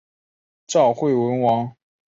赵惠文王决定让赵奢率军救援阏与。